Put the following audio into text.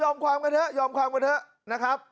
ยอมความกันเถอะยอมความกันเถอะ